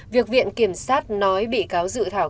việc viện kiểm sát nói bị cáo dự thảo